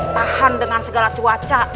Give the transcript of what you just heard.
tahan dengan segala cuaca